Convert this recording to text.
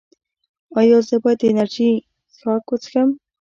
ایا زه باید انرژي څښاک وڅښم؟